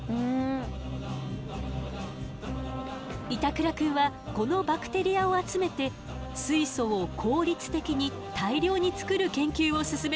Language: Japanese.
板倉くんはこのバクテリアを集めて水素を効率的に大量に作る研究を進めているのよ。